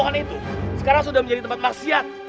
pak pada pukul itu sekarang sudah menjadi tempat masyiat